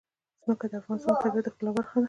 ځمکه د افغانستان د طبیعت د ښکلا برخه ده.